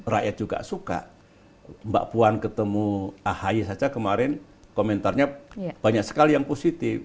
rakyat juga suka mbak puan ketemu ahi saja kemarin komentarnya banyak sekali yang positif